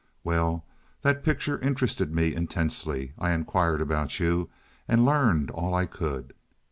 "Well, that picture interested me intensely. I inquired about you, and learned all I could.